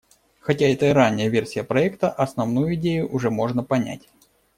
Хотя это и ранняя версия проекта, основную идею уже можно понять.